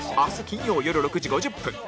明日金曜よる６時５０分